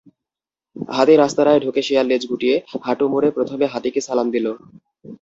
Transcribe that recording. হাতির আস্তানায় ঢুকে শেয়াল লেজ গুটিয়ে, হাঁটু মুড়ে প্রথমে হাতিকে সালাম দিল।